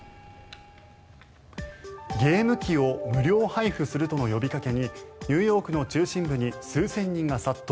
ゲーム機を無料配布するとの呼びかけにニューヨークの中心部に数千人が殺到。